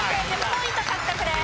１０ポイント獲得です。